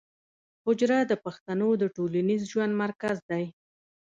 حجره د پښتنو د ټولنیز ژوند مرکز دی.